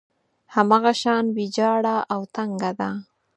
هماغه شان ويجاړه او تنګه ده.